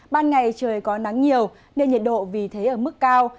ban ngày trời có nắng nhiều nên nhiệt độ vì thế ở mức cao